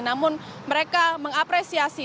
namun mereka mengapresiasi